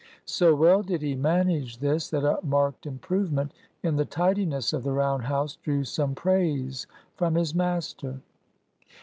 So well did he manage this, that a marked improvement in the tidiness of the round house drew some praise from his master.